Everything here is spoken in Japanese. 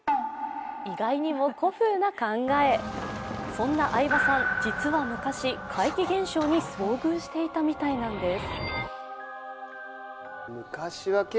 そんな相葉さん、実は昔、怪奇現象に遭遇していたみたいなんです。